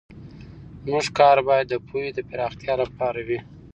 زموږ کار باید د پوهې د پراختیا لپاره وي.